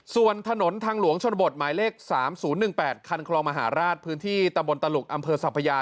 ส่วนถนนทางหลวงชนบทหมายเลข๓๐๑๘คันคลองมหาราชพื้นที่ตะบนตลุกอำเภอสัพยา